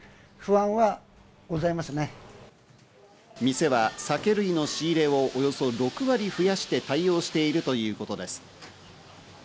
店は酒類の仕入れをおよそ６割増やして対応しているということです。